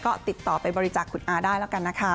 ก็ติดต่อไปบริจาคคุณอาได้แล้วกันนะคะ